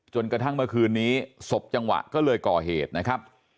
กระทั่งเมื่อคืนนี้ศพจังหวะก็เลยก่อเหตุนะครับ